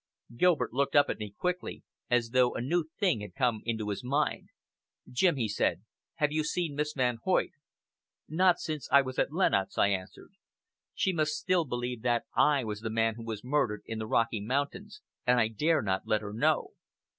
Gilbert looked up at me quickly, as though a new thing had come into his mind. "Jim," he said, "have you seen Miss Van Hoyt?" "Not since I was at Lenox," I answered. "She must still believe that I was the man who was murdered in the Rocky Mountains and I dare not let her know!"